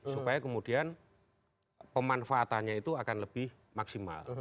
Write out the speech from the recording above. supaya kemudian pemanfaatannya itu akan lebih maksimal